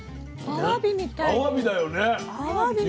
あわびみたい。